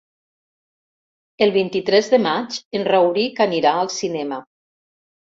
El vint-i-tres de maig en Rauric anirà al cinema.